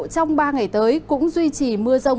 trong ba ngày tới cũng duy trì mưa rông